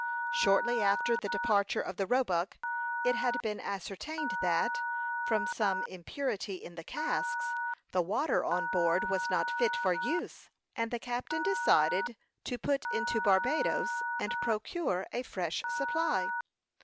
Shortly after the departure of the Roebuck, it had been ascertained that, from some impurity in the casks, the water on board was not fit for use; and the captain decided to put into Barbadoes and procure a fresh supply.